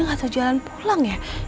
nggak terjalan pulang ya